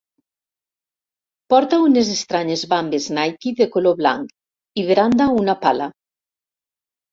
Porta unes estranyes vambes Nike de color blanc i branda una pala.